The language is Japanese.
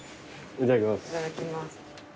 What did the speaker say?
いただきます。